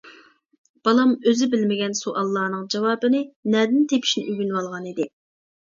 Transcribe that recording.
بالام ئۆزى بىلمىگەن سوئاللارنىڭ جاۋابىنى نەدىن تېپىشنى ئۆگىنىۋالغانىدى.